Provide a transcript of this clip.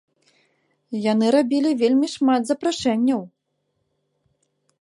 Яны рабілі вельмі шмат запрашэнняў.